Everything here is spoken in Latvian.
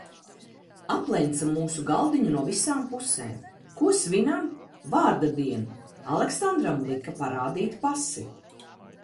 Aplenca mūsu galdiņu no visām pusēm. Ko svinam? Vārda dienu! Aleksandram lika parādīt pasi.